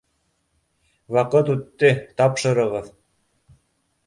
— Ваҡыт үтте, тапшырығыҙ!